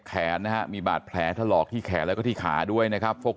แขนนะฮะมีบาดแผลถลอกที่แขนแล้วก็ที่ขาด้วยนะครับ